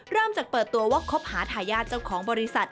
เริ่มจากเปิดตัวว่าคบหาทายาทเจ้าของบริษัท